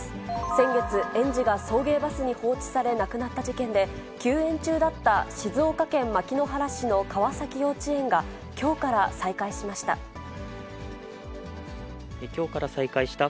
先月、園児が送迎バスに放置され亡くなった事件で、休園中だった静岡県牧之原市の川崎幼稚園が、きょうから再開しました。